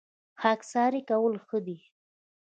خاکساري کول ښه دي